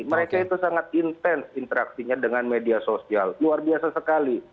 mereka itu sangat intens interaksinya dengan media sosial luar biasa sekali